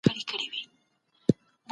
ما تېره ورځ د پښتو ګرامر یو درس تکرار کړی.